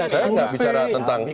saya nggak bicara tentang